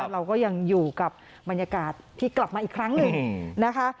เราก็ยังอยู่กับบรรยากาศที่กลับมาอีกครั้งหนึ่งนะคะ